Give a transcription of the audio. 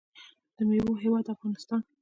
د میوو هیواد افغانستان.